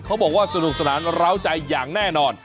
เขาบอกว่าสนุกสนานร้าวใจอย่างแน่นอน